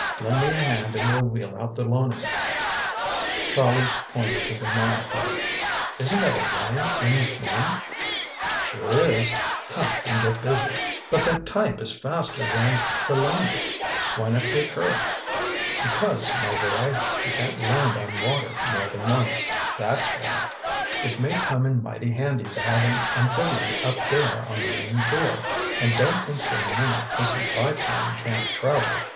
Lend me a hand and we'll wheel out the Loening." Charlie pointed to the monoplane. "Isn't that a Ryan M 1?" "Sure is. Come and get busy." "But that type is faster that the Loening. Why not take her?" "Because, my boy, she can't land on water more than once, that's why. It may come in mighty handy to have an amphibian up there on the Maine shore. And don't think for a minute this biplane can't travel.